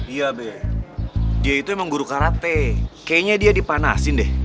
iya be dia itu emang guru karate kayaknya dia dipanasin deh